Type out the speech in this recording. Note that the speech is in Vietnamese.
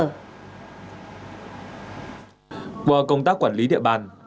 vào công tác quản lý đại đa kiên đã thực hiện một cơ sở chuyên sản xuất làm giả các văn bằng chứng chỉ